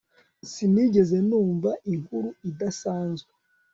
sinigeze numva inkuru idasanzwe